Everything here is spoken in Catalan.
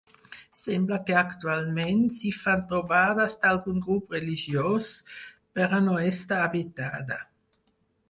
Sembla que actualment s'hi fan trobades d'algun grup religiós, però no està habitada.